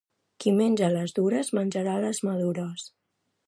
Qui menja les dures, menjarà les madures.